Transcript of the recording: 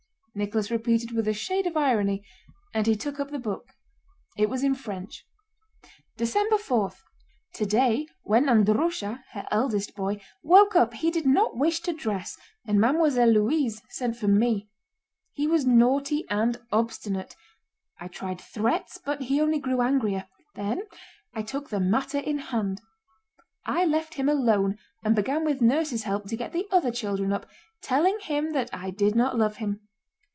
Nicholas repeated with a shade of irony, and he took up the book. It was in French. December 4. Today when Andrúsha (her eldest boy) woke up he did not wish to dress and Mademoiselle Louise sent for me. He was naughty and obstinate. I tried threats, but he only grew angrier. Then I took the matter in hand: I left him alone and began with nurse's help to get the other children up, telling him that I did not love him.